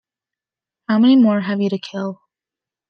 How many more have you to kill?